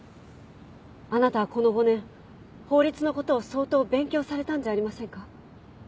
あなたはこの５年法律のことを相当勉強されたんじゃありませんか？